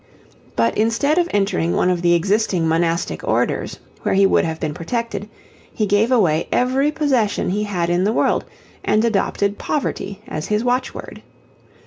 But instead of entering one of the existing monastic orders, where he would have been protected, he gave away every possession he had in the world and adopted 'poverty' as his watchword.